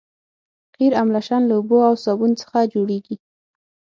قیر املشن له اوبو او صابون څخه جوړیږي